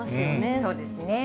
そうですね。